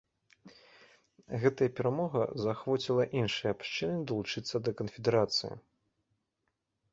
Гэтая перамога заахвоціла іншыя абшчыны далучыцца да канфедэрацыі.